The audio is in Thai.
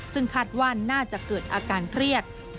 ซึ่งคาดว่าน่าจะเกิดอาการเครียด